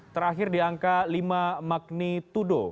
terakhir di angka lima magnitudo